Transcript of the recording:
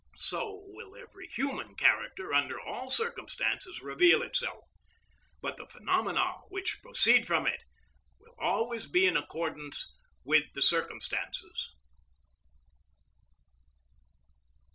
So will every human character under all circumstances reveal itself, but the phenomena which proceed from it will always be in accordance with the circumstances.